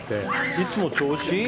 いつも調子いい！